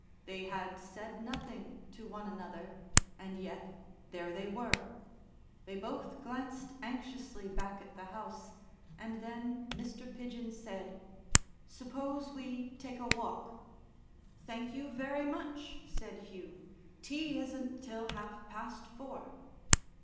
They had said nothing to one another and yet there they were; they both glanced anxiously back at the house and then Mr. Pidgen said: "Suppose we take a walk." "Thank you very much," said Hugh. "Tea isn't till half past four."